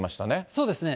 そうですね。